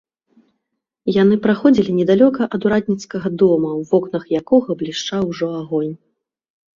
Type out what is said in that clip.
Яны праходзілі недалёка ад урадніцкага дома, у вокнах якога блішчаў ужо агонь.